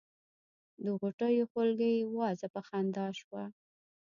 د غوټیو خولګۍ وازه په خندا شوه.